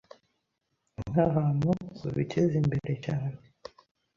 nk’ahantu babiteza imbere cyane